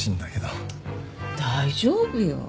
大丈夫よ。